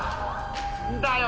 んだよ！